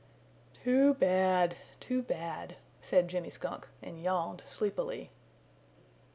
"Too bad! Too bad!" said Jimmy Skunk, and yawned sleepily.